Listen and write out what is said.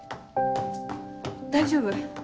大丈夫？